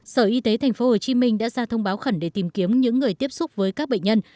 sở y tế tp hcm đã ra thông báo khẩn để tìm kiếm những người tiếp xúc với các bệnh nhân